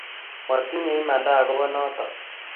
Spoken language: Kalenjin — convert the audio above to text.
Matinye imanda akopo notoko